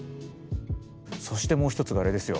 そしてもう一つがあれですよ。